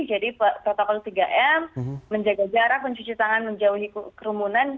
jadi protokol tiga m menjaga jarak mencuci tangan menjauhi kerumunan